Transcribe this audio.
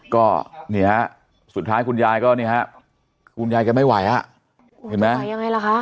ก็เนี่ยฮะสุดท้ายคุณยายก็นี่ฮะคุณยายแกไม่ไหวอ่ะเห็นไหมยังไงล่ะคะ